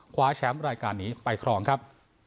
คว้าแชมป์รายการนี้ไปครองครับ